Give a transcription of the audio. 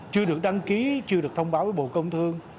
chưa được đăng ký chưa được thông báo với bộ công thương